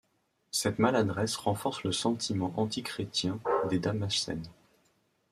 Cette maladresse renforce le sentiment antichrétien des Damascènes.